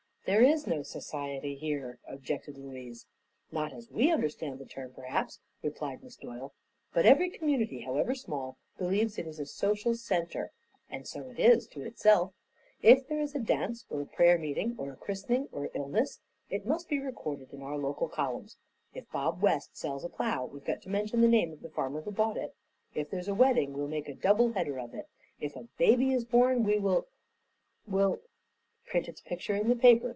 "There is no society here," objected Louise. "Not as we understand the term, perhaps," replied Miss Doyle; "but every community, however small, believes it is a social center; and so it is to itself. If there is a dance or a prayer meeting or a christening or illness, it must be recorded in our local columns. If Bob West sells a plow we've got to mention the name of the farmer who bought it; if there's a wedding, we'll make a double header of it; if a baby is born, we will will " "Print its picture in the paper.